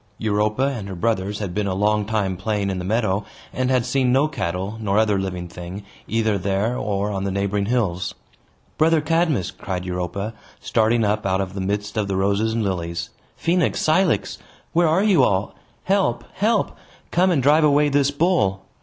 Europa and her brothers had been a long time playing in the meadow, and had seen no cattle, nor other living thing, either there or on the neighboring hills. "Brother Cadmus!" cried Europa, starting up out of the midst of the roses and lilies. "Phoenix! Cilix! Where are you all? Help! Help! Come and drive away this bull!"